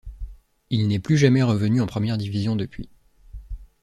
Il n'est plus jamais revenu en première division depuis.